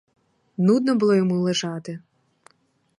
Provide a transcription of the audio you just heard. Нудно було йому лежати.